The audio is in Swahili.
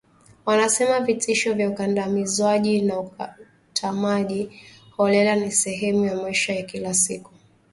wanasema vitisho ukandamizwaji na ukamataji holela ni sehemu ya maisha ya kila siku